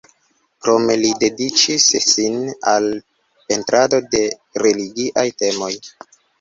Krome li dediĉis sin al pentrado de religiaj temoj.